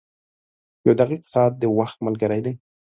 • یو دقیق ساعت د وخت ملګری دی.